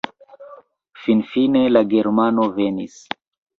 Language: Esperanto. Finfine la germano venis.